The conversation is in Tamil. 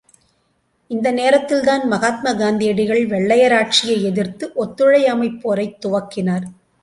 இந்த நேரத்தில்தான், மகாத்மா காந்தியடிகள் வெள்ளையராட்சியை எதிர்த்து ஒத்துழையாமைப் போரைத் துவக்கினார்.